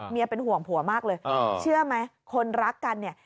เป็นห่วงผัวมากเลยเชื่อไหมคนรักกันเนี่ย